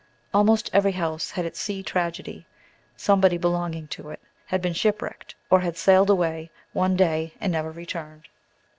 Almost every house had its sea tragedy. Somebody belonging to it had been shipwrecked, or had sailed away one day, and never returned.